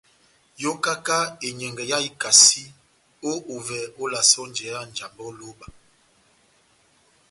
Yokaka enyɛngɛ yá ikasi, ó ovɛ olasɛ ó njeyá ya Njambɛ ó lóba.